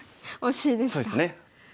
そうですね。